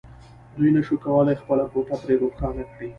دوی نشوای کولای خپله کوټه پرې روښانه کړي